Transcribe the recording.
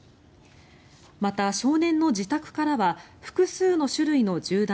また、少年の自宅からは複数の種類の銃弾